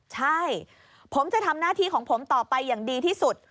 ใช่ผมจะทำหน้าที่ของผมต่อไปอย่างดีที่สุด